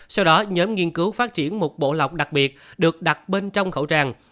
sau đó nhóm nghiên cứu phát triển một bộ lọc đặc biệt được đặt bên trong khẩu trang